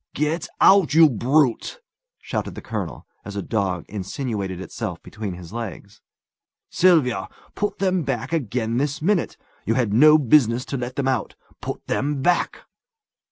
"Get out, you brute!" shouted the colonel, as a dog insinuated itself between his legs. "Sylvia, put them back again this minute! You had no business to let them out. Put them back!"